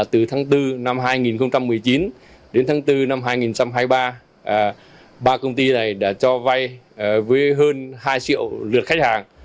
từ tháng bốn năm hai nghìn một mươi chín đến tháng bốn năm hai nghìn hai mươi ba ba công ty này đã cho vay với hơn hai triệu lượt khách hàng